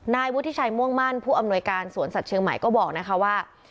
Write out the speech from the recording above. นายวุฒิชัยม่วงมั่นผู้อำนวยการสวนสัตว์เชียงใหม่ก็บอกนะคะว่า